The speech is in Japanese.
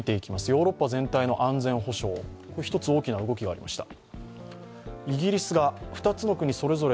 ヨーロッパ全体の安全保障、１つ大きな動きがありました。